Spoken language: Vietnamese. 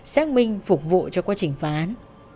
xác minh phục vụ cho quá trình phá án